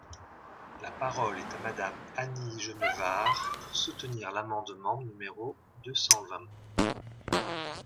La parole est à Madame Annie Genevard, pour soutenir l’amendement numéro deux cent vingt.